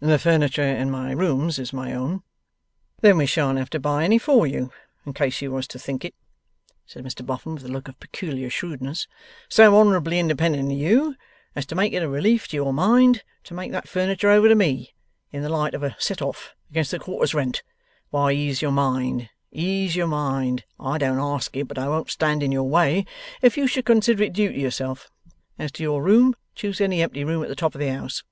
'The furniture in my rooms is my own.' 'Then we shan't have to buy any for you. In case you was to think it,' said Mr Boffin, with a look of peculiar shrewdness, 'so honourably independent in you as to make it a relief to your mind, to make that furniture over to me in the light of a set off against the quarter's rent, why ease your mind, ease your mind. I don't ask it, but I won't stand in your way if you should consider it due to yourself. As to your room, choose any empty room at the top of the house.